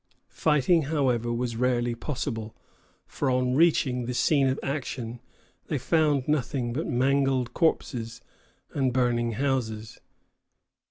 Fighting, however, was rarely possible; for on reaching the scene of action they found nothing but mangled corpses and burning houses.